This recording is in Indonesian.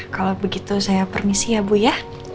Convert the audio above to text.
kalau begitu saya permisi ya bu ya